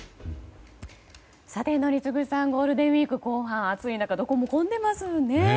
宜嗣さんゴールデンウィーク後半暑い中、どこも混んでますよね。